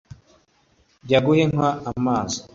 ajya guha inka amazi.